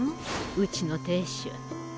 うちの亭主。